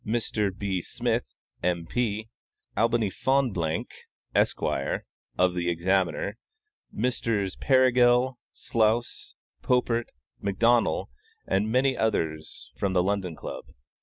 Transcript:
Mr. B. Smith, M. P.; Albany Fonblanque, Esq., of The Examiner; Messrs. Perigal, Slous, Popert, McDonnel, and many others from the London Club.